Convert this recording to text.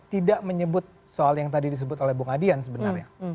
tidak menyebut soal yang tadi disebut oleh bung adian sebenarnya